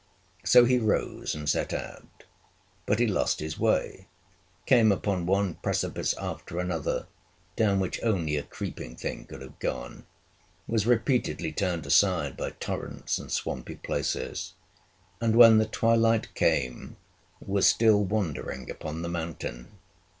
So he rose and set out. But he lost his way; came upon one precipice after another, down which only a creeping thing could have gone; was repeatedly turned aside by torrents and swampy places; and when the twilight came, was still wandering upon the mountain.